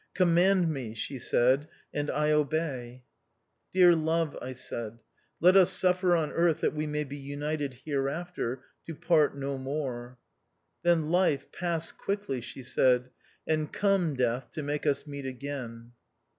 " Com mand me," she said, "and I obey." " Dear love," I said, "let us suffer on earth that we may be united hereafter, to part no more." " Then, life, pass quickly," she said ;" and come death, to make us meet again."